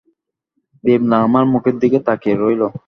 বিমলা আমার মুখের দিকে তাকিয়ে রইল।